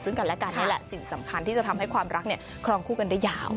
ซึ่งกันและกันนี่แหละสิ่งสำคัญที่จะทำให้ความรักเนี่ยครองคู่กันได้ยาว